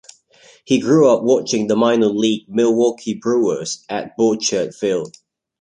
He grew up watching the minor-league Milwaukee Brewers at Borchert Field.